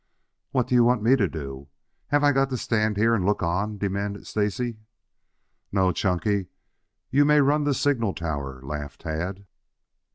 "What do you want me to do? Have I got to stand here and look on?" demanded Stacy. "No, Chunky. You may run the signal tower," laughed Tad.